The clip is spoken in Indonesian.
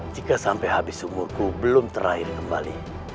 jika sampai habis umurku belum terakhir kembali